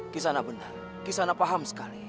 kisana benar kisana paham sekali